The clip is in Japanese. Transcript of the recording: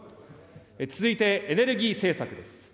続いて、エネルギー政策です。